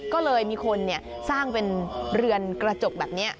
ก็เลยมีคนสร้างเป็นเรือนกระจกแบบนี้